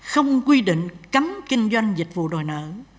không quy định cấm kinh doanh dịch vụ đòi nợ